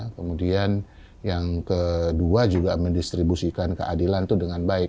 kemudian yang kedua juga mendistribusikan keadilan itu dengan baik